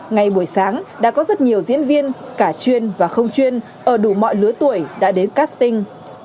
ngay buổi sáng đã có rất nhiều diễn viên cả chuyên và không chuyên ở đủ mọi lứa tuổi đã đến casting